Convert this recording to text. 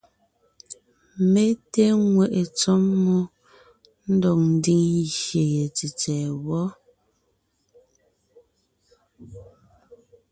Mé té ŋweʼe tsɔ́ mmó ndɔg ńdiŋ gyè ye tsètsɛ̀ɛ wɔ.